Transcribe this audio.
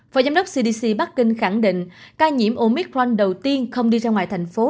phó giám đốc cdc bắc kinh khẳng định ca nhiễm omicron đầu tiên không đi ra ngoài thành phố